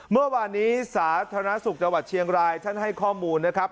เมื่อวานนี้สาธารณสุขจังหวัดเชียงรายท่านให้ข้อมูลนะครับ